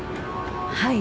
はい。